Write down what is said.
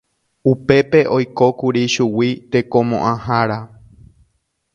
Upépe oikókuri chugui Tekomoʼãhára.